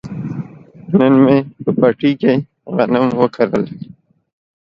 نن مې په پټي کې غنم وکرل.